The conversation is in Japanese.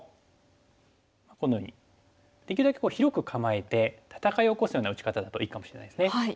このようにできるだけ広く構えて戦いを起こすような打ち方だといいかもしれないですね。